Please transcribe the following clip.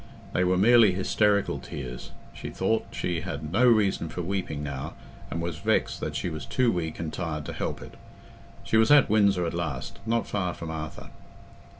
They were merely hysterical tears: she thought she had no reason for weeping now, and was vexed that she was too weak and tired to help it. She was at Windsor at last, not far from Arthur.